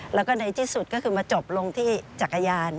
แล้วก็ในที่สุดก็คือมาจบลงที่จักรยาน